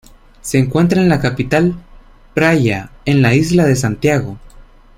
Se encuentra en la capital, Praia, en la isla de Santiago.